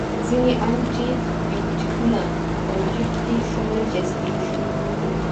ځینې انټي بیوټیکونه په وجود کې ښه نه جذبیږي.